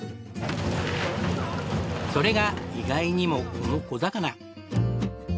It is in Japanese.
それが意外にもこの小魚。